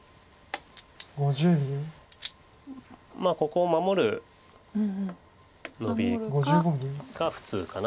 ここを守るノビが普通かなと。